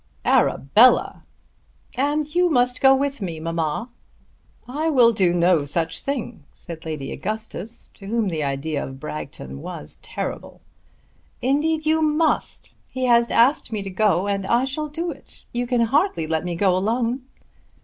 "Arabella!" "And you must go with me, mamma." "I will do no such thing," said Lady Augustus, to whom the idea of Bragton was terrible. "Indeed you must. He has asked me to go, and I shall do it. You can hardly let me go alone."